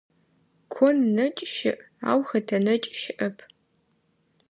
Кон нэкӀ щыӀ, ау хэтэ нэкӀ щыӀэп.